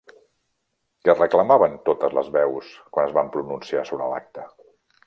Què reclamaven totes les veus que es van pronunciar sobre l'acte?